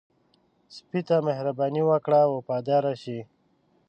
سپي ته مهرباني وکړه، وفاداره شي.